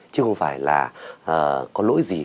chứ không phải là có lỗi gì